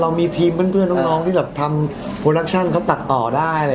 เรามีทีมเพื่อนน้องที่แบบทำโปรดักชั่นเขาตัดต่อได้